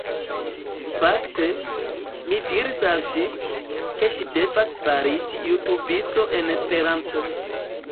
Fakte, mi diris al ŝi, ke ŝi devas fariĝi jutubisto en Esperanto